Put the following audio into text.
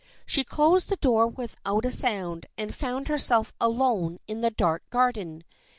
She closed the door with out a sound and found herself alone in the dark garden.